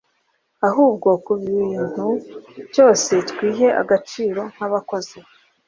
Ahubwo ku kintu cyose twihe agaciro nk abakozi